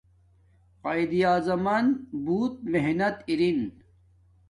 قایداعظمن بوت محنت این